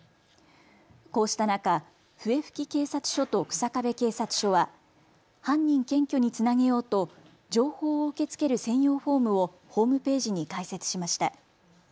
こうした中、笛吹警察署と日下部警察署は犯人検挙につなげようと情報を受け付ける専用フォームをホームページに開設しました。